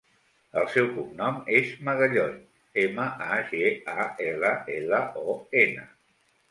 El seu cognom és Magallon: ema, a, ge, a, ela, ela, o, ena.